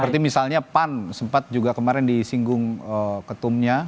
seperti misalnya pan sempat juga kemarin disinggung ketumnya